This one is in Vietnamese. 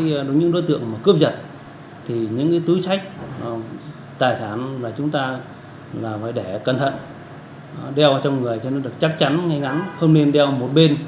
với những đối tượng cướp giật những túi sách tài sản chúng ta phải để cẩn thận đeo trong người cho nó được chắc chắn ngay ngắn không nên đeo một bên